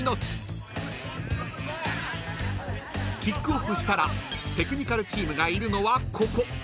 ［キックオフしたらテクニカルチームがいるのはここ］